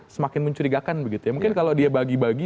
semakin mencurigakan begitu ya mungkin kalau dia bagi bagi